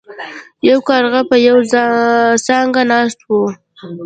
یو کارغه په یوه څانګه ناست و.